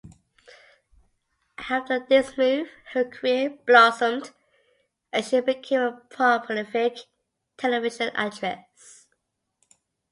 After this move, her career blossomed, and she became a prolific television actress.